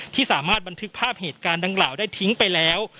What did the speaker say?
ที่สามารถบันทึกภาพเหตุการณ์ดังกล่าวได้ทิ้งไปแล้ว